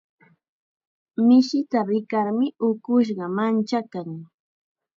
Mishita rikarmi ukushqa manchakan.